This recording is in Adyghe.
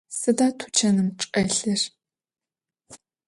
Sıda tuçanım çç'elhır?